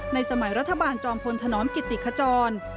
สมัยรัฐบาลจอมพลธนอมกิติขจร